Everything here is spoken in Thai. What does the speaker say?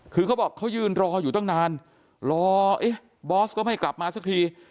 คือเขาบอกเขายืนรออยู่ตั้งนานรอเอ๊ะบอสก็ไม่กลับมาสักที